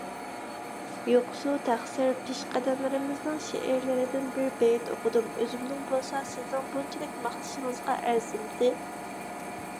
يوقسۇ تەقسىر، پېشقەدەملىرىمىزنىڭ شېئىرلىرىدىن بىر بېيىت ئوقۇدۇم، ئۆزۈمنىڭ بولسا سىزنىڭ بۇنچىلىك ماختىشىڭىزغا ئەرزىمتى.